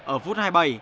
ở phút hai mươi bảy